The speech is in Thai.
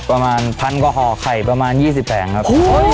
ประมาณพันกว่าห่อไข่ประมาณ๒๐แผงครับ